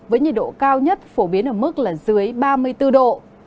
với nhiệt độ cao nhất phổ biến ở mức là dưới ba mươi bốn độ